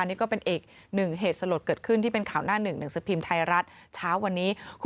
นี่ก็เป็นอีกหนึ่งเหตุสลดเกิดขึ้นที่เป็นข่าวหน้าหนึ่งหนังสือพิมพ์ไทยรัฐเช้าวันนี้